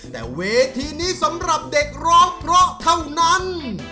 แต่เวทีนี้สำหรับเด็กร้องเพราะเท่านั้น